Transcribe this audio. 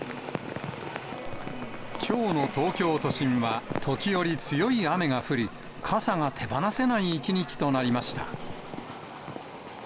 きょうの東京都心は時折強い雨が降り、傘が手放せない一日となりました。